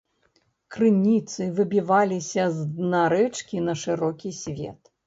Крыніцы выбіваліся з дна рэчкі на шырокі свет.